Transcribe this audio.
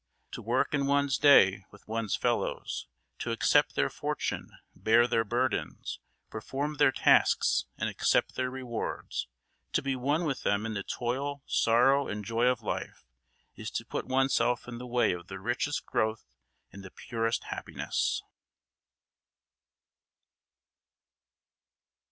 To work in one's day with one's fellows; to accept their fortune, bear their burdens, perform their tasks, and accept their rewards; to be one with them in the toil, sorrow, and joy of life, is to put oneself in the way of the richest growth and the purest happiness.